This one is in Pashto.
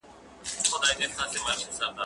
ايا ته اوبه پاکوې!.